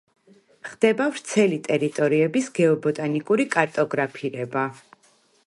ხდება ვრცელი ტერიტორიების გეობოტანიკური კარტოგრაფირება.